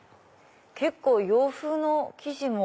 結構洋風の生地も。